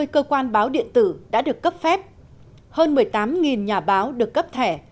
một trăm năm mươi cơ quan báo điện tử đã được cấp phép hơn một mươi tám nhà báo được cấp thẻ